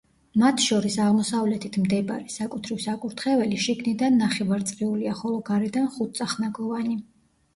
მათ შორის აღმოსავლეთით მდებარე, საკუთრივ საკურთხეველი, შიგნიდან ნახევარწრიულია, ხოლო გარედან ხუთწახნაგოვანი.